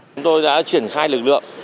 chúng tôi đã chuyển khai lực lượng